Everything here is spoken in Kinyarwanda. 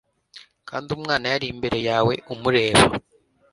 kandi umwana yari imbere yawe umureba